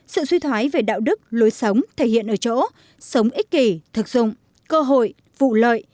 sự suy thoái về đạo đức lối sống thể hiện ở chỗ sống ích kỷ thực dụng cơ hội vụ lợi